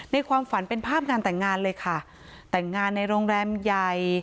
ความฝันเป็นภาพงานแต่งงานเลยค่ะแต่งงานในโรงแรมใหญ่